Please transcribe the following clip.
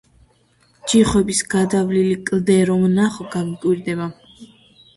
ჯიხვების გადავლილი კლდე რომ ნახო გაგიკვირდება